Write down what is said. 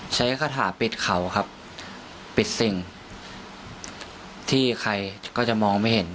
คาถาปิดเขาครับปิดสิ่งที่ใครก็จะมองไม่เห็น